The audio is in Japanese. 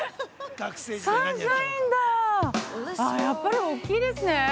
やっぱり大きいですね